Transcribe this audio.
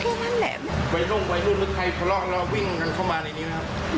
ตรงนั้นแหละวัยรุ่งวัยรุ่นหรือใครทะเลาะแล้ววิ่งกันเข้ามาในนี้ไหมครับ